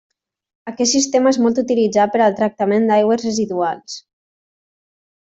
Aquest sistema és molt utilitzat per al tractament d'aigües residuals.